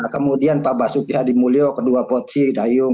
kemudian pak basuki hadi mulyo kedua potensi dayung